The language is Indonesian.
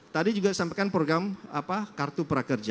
tadi juga sampaikan program kartu prakerja